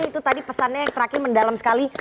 itu tadi pesannya yang terakhir mendalam sekali